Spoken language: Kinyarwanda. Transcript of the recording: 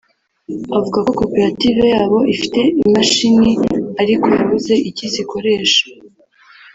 avuga ko koperative yabo ifite imashini ariko yabuze icyo izikoresha